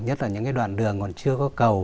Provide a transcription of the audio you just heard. nhất là những đoạn đường còn chưa có cầu